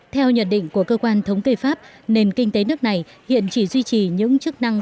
theo nhận định của cơ quan thống kê pháp nền kinh tế nước này hiện chỉ duy trì những chức năng